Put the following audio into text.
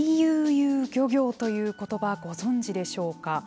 ＩＵＵ漁業ということばご存じでしょうか。